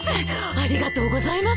ありがとうございます。